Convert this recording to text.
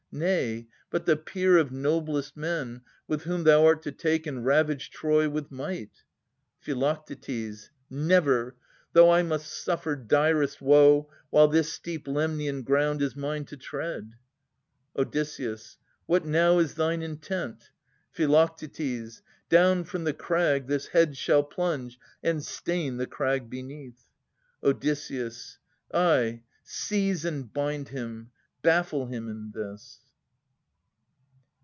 Nay, but the peer of noblest men, with whom Thou art to take and ravage Troy with might. Phi. Never, — though I must suffer direst woe, — While this steep Lemnian ground is mine to tread ! Od. What now is thine intent? Phi. Down from the crag This head shall plunge and stain the crag beneath. Od. Ay, seize and bind him. Baffle him in this.